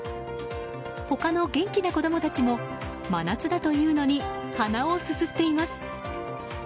他の元気な子供たちも真夏だというのに鼻をすすっています。